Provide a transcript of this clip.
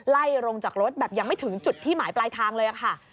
ไล่ลงจากรถแบบยังไม่ถึงจุดที่หมายปลายทางเลยค่ะ